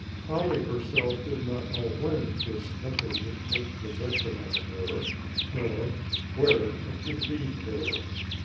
Polly herself did not know when this temper would take possession of her nor where it would lead her.